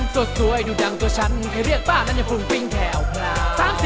สวยดูดังตัวฉันใครเรียกป้านั้นอย่างฟุ้งกิ้งแถวพลา